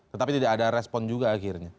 tetapi tidak ada respon juga akhirnya